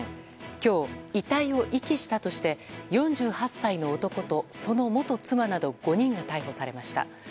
今日、遺体を遺棄したとして４８歳の男と、その元妻など５人が逮捕されました。